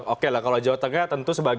oke lah kalau jawa tengah tentu sebagai